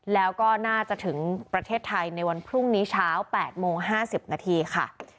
แล้วก็น่าจะถึงประเทศไทยในวันพรุ่งนี้เช้า๘โมง๕๐นาทีค่ะ